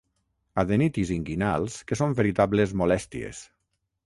Adenitis inguinals que són veritables molèsties.